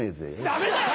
ダメだよ！